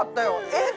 「えっ？」